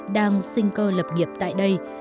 đang sinh cơ lập nghiệp tại đây